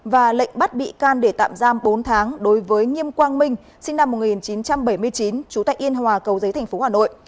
và lệnh bắt bị can để tạm giam bốn tháng đối với nghiêm quang minh sinh năm một nghìn chín trăm bảy mươi chín chủ tạch yên hòa cầu giấy thành phố hà nội